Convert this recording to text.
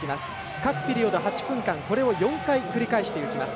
各ピリオド８分間これを４回繰り返していきます。